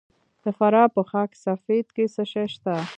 د فراه په خاک سفید کې څه شی شته؟